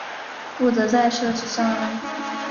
不得再设置障碍